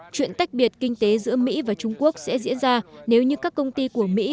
chuyện tách biệt kinh tế giữa mỹ và trung quốc sẽ diễn ra nếu như các công ty của mỹ